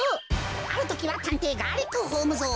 あるときはたんていガーリックホームゾー。